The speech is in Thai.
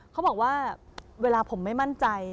เขาบอกว่าเวลาผมไม่มั่นใจ